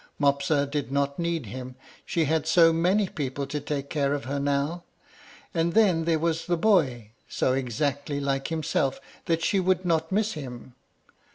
Mopsa did not need him, she had so many people to take care of her; and then there was that boy, so exactly like himself that she would not miss him.